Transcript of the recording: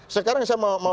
sekarang saya mau tanya